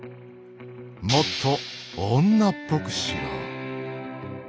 もっと女っぽくしろ。